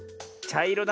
ちゃいろ？